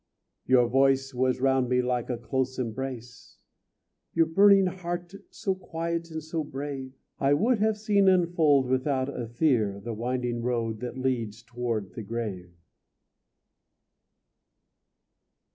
Your voice was round me like a close embrace, Your burning heart so quiet and so brave, I would have seen unfold without a fear The winding road that leads toward the grave.